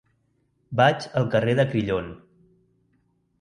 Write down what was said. Vaig al carrer de Crillon.